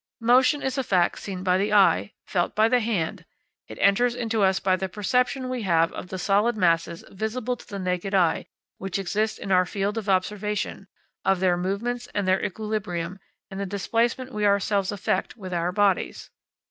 Motion is a fact seen by the eye, felt by the hand; it enters into us by the perception we have of the solid masses visible to the naked eye which exist in our field of observation, of their movements and their equilibrium and the displacement we ourselves effect with our bodies.